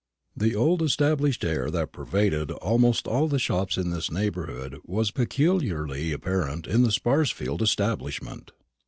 The old established air that pervaded almost all the shops in this neighbourhood was peculiarly apparent in the Sparsfield establishment.